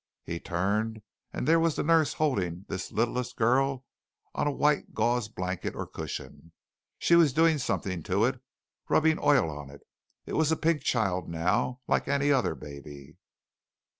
He turned and there was the nurse holding this littlest girl on a white gauze blanket or cushion. She was doing something to it rubbing oil on it. It was a pink child now, like any other baby.